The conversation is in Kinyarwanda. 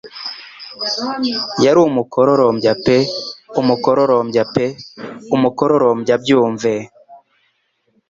yari umukororombya pe umukororombya pe umukororombya byumve